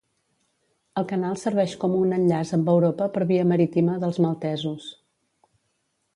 El canal serveix com un enllaç amb Europa per via marítima dels maltesos.